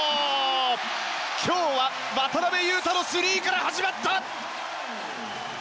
今日は渡邊雄太のスリーから始まった！